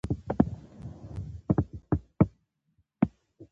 سخوندر د موږي په زور غورځي متل د ملاتړ ارزښت ښيي